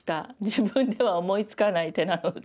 自分では思いつかない手なので。